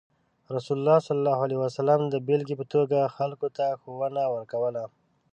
رسول الله صلى الله عليه وسلم د بیلګې په توګه خلکو ته ښوونه ورکوله.